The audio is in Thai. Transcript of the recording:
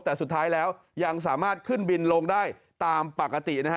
แต่สุดท้ายแล้วยังสามารถขึ้นบินลงได้ตามปกตินะฮะ